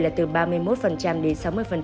là từ ba mươi một đến sáu mươi